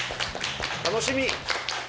楽しみ！